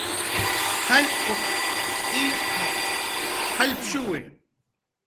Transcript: "jallq'uq illqap"" jallpshuwi."